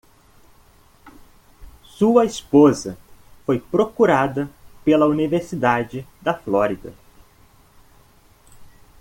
Sua esposa foi procurada pela Universidade da Flórida.